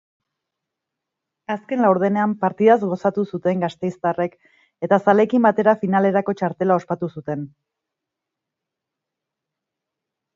Azken laurdenean partidaz gozatu zuten gasteiztarrek eta zaleekin batera finalerako txartela ospatu zuten.